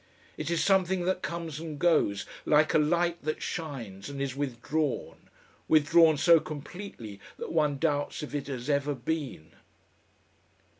It is something that comes and goes, like a light that shines and is withdrawn, withdrawn so completely that one doubts if it has ever been....